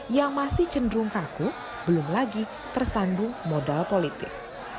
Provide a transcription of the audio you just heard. yang masih cenderung kaku belum lagi tersandung modal politik